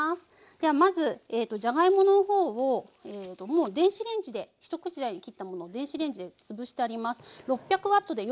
ではまずじゃがいものほうをもう電子レンジで一口大に切ったものを電子レンジでつぶしてあります。